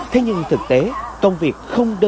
thế nhưng thực tế công việc không đơn giản